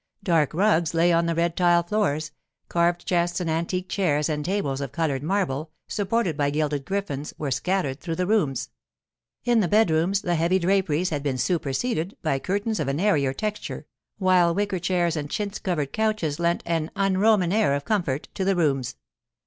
Dark rugs lay on the red tile floors; carved chests and antique chairs and tables of coloured marble, supported by gilded griffins, were scattered through the rooms. In the bedrooms the heavy draperies had been superseded by curtains of an airier texture, while wicker chairs and chintz covered couches lent an un Roman air of comfort to the rooms.